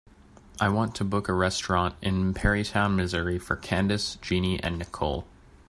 I want to book a restaurantin Perrytown Missouri for candice, jeannie and nichole.